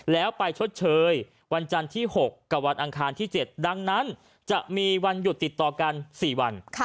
แล้วไปชดเชยวันจันทร์ที่๖กับวันอังคารที่๗ดังนั้นจะมีวันหยุดติดต่อกัน๔วัน